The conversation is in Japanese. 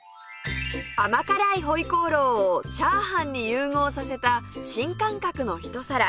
甘辛い回鍋肉をチャーハンに融合させた新感覚のひと皿